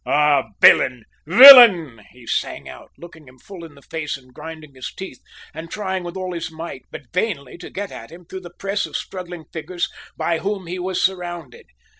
"Ah, villain, villain!" he sang out, looking him full in the face and grinding his teeth and trying with all his might, but vainly, to get at him through the press of struggling figures by whom he was surrounded.